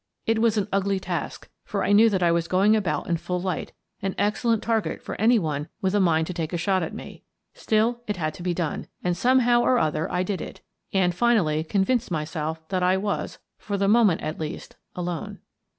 It was an ugly task, for I knew that I was going about in a full light, an excellent target for any one with a mind to take a shot at me. Still, it had to be done, and, somehow or other, I did it, and finally convinced myself that I was, for the moment at least, alone.